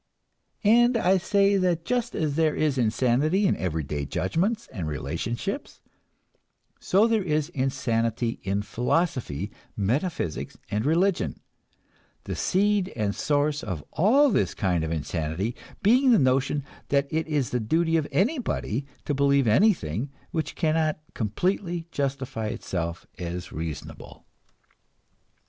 And I say that just as there is insanity in everyday judgments and relationships, so there is insanity in philosophy, metaphysics and religion; the seed and source of all this kind of insanity being the notion that it is the duty of anybody to believe anything which cannot completely justify itself as reasonable.